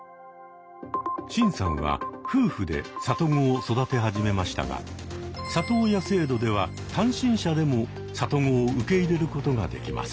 シンさんは夫婦で里子を育て始めましたが里親制度では単身者でも里子を受け入れることができます。